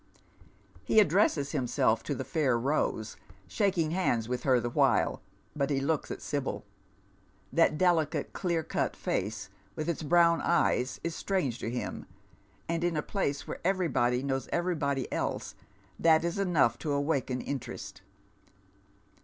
'"' He addresses himself to the fair Eose, shaking hands with her the while, but he looks at Sibyl. Tnat delicate clear cut face, with its bro%vn eyes, is strange to him, and in a place where everybody knows everybody else thai is enough to awaken in terest.